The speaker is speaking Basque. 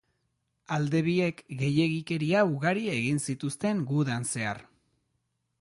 Alde biek gehiegikeria ugari egin zituzten gudan zehar.